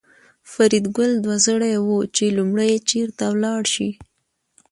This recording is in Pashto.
فریدګل دوه زړی و چې لومړی چېرته لاړ شي